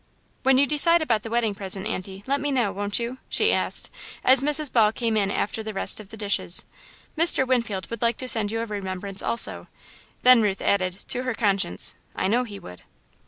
"When you decide about the wedding present, Aunty, let me know, won't you?" she asked, as Mrs. Ball came in after the rest of the dishes. "Mr. Winfield would like to send you a remembrance also." Then Ruth added, to her conscience, "I know he would."